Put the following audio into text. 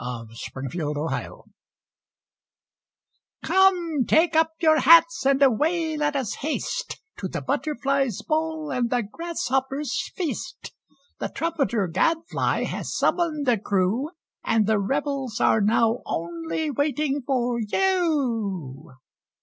THE BUTTERFLY'S BALL "Come, take up your hats, and away let us haste To the Butterfly's Ball and the Grasshopper's Feast; The Trumpeter, Gadfly, has summoned the crew, And the revels are now only waiting for you."